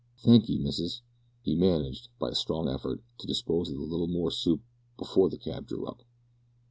Thankee, missus." He managed, by a strong effort, to dispose of a little more soup before the cab drew up.